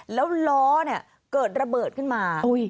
แล้วล้อเนี่ยเกิดระเบิดขึ้นมา